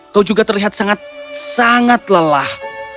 kau juga terlihat sangat sangat lelah